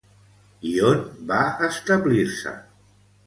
I on va establir-se?